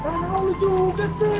tangan awal juga sih